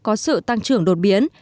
có sự tăng trưởng đột biến